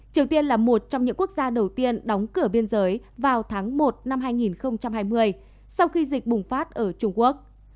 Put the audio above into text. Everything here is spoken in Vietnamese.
triều tiên là một trong những quốc gia đầu tiên đóng cửa biên giới vào tháng một năm hai nghìn hai mươi sau khi dịch bùng phát ở trung quốc